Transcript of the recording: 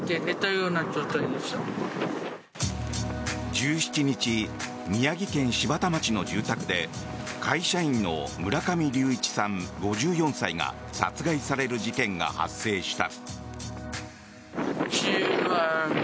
１７日宮城県柴田町の住宅で会社員の村上隆一さん、５４歳が殺害される事件が発生した。